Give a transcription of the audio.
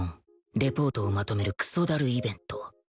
レポートをまとめるクソダルイベント